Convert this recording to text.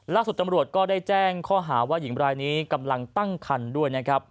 ลักษณ์สุดตำรวจก็ได้แจ้งข้อหาว่าหญิงบรายนี้กำลังตั้งคันด้วย